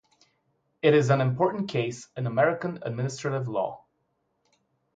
It is an important case in American administrative law.